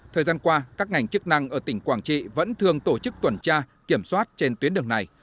thời gian qua các ngành chức năng ở tỉnh quảng trị vẫn thường tổ chức tuần tra kiểm soát trên tuyến đường này